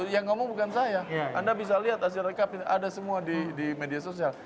yang ngomong bukan saya anda bisa lihat hasil rekap ini ada semua di media sosial